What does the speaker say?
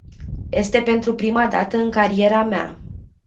Este pentru prima dată în cariera mea.